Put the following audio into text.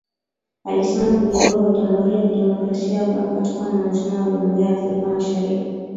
Alisema kujiunga kwa Jamuhuri ya Kidemokrasia ya Kongo kama mwanachama wa Jumuiya ya Afrika Mashariki